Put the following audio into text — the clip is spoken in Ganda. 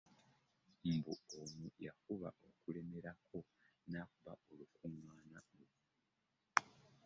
Mbu ono yafuba okulemerako n'akuba Olukuŋŋaana luno